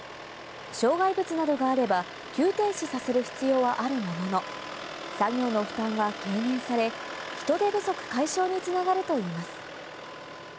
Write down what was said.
障害物などがあれば急停止させる必要はあるものの、作業の負担は軽減され、人手不足解消に繋がるといいます。